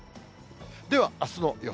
ではあすの予報。